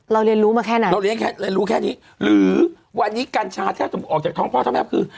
เราเรียนรู้มาแค่นั้นเราเรียนรู้แค่นี้หรือวันนี้กัญชาออกจากท้องพ่อเท่าไหร่คือ